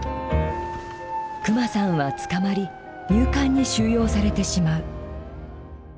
クマさんは捕まり入管に収容されてしまう。